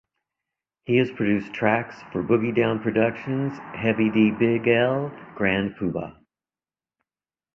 He has produced tracks for Boogie Down Productions, Heavy D, Big L, Grand Puba.